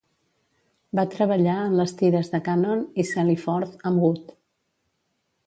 Va treballar en les tires de "Cannon" i "Sally Forth" amb Wood.